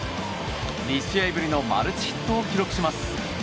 ２試合ぶりのマルチヒットを記録します。